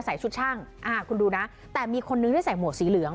ใส่ชุดช่างอ่าคุณดูนะแต่มีคนนึงที่ใส่หมวกสีเหลือง